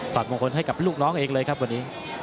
อดมงคลให้กับลูกน้องเองเลยครับวันนี้